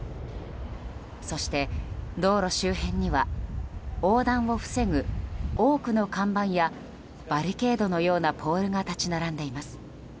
そして、道路周辺には横断を防ぐ多くの看板やバリケードのようなポールが立ち並んでいます。